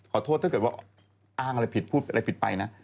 ถ้าเกิดว่าอ้างอะไรผิดพูดอะไรผิดไปนะ